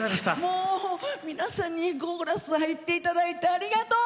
もう皆さんにコーラス入って頂いてありがとう。